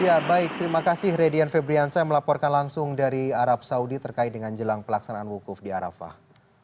ya baik terima kasih redian febriansa yang melaporkan langsung dari arab saudi terkait dengan jelang pelaksanaan wukuf di arafah